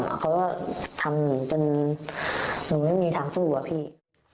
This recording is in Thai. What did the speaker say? แล้วเขาก็ทำหนูจนหนูไม่มีทางสู้อะพี่